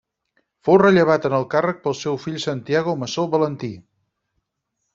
Fou rellevat en el càrrec pel seu fill Santiago Masó Valentí.